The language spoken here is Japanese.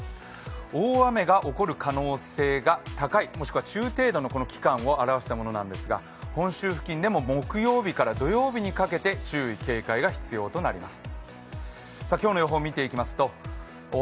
大雨が起こる可能性が高いもちくは中程度の期間を表したものなんですが、本州付近でも木曜日から土曜日にかけて注意、警戒が必要となります。